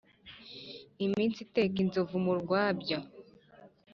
Iminsi iteka inzovu mu rwabya.